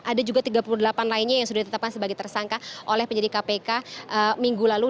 ada juga tiga puluh delapan lainnya yang sudah ditetapkan sebagai tersangka oleh penyidik kpk minggu lalu